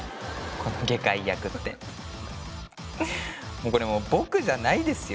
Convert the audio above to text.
この外科医役ってこれもう僕じゃないですよ